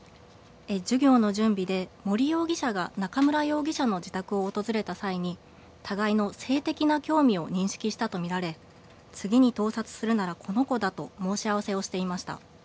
授業の準備で森容疑者が中村容疑者の自宅を訪れた際に互いの性的な興味を認識したと見られ次に盗撮するならこの子だと申し合わせをしていました。